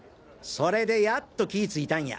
それでやっと気ぃついたんや。